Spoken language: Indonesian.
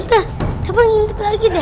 tante coba ngintip lagi deh